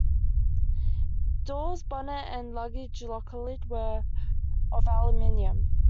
Doors, bonnet and luggage locker lid were of aluminium.